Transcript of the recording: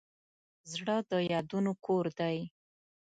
زړه د یادونو کور دی.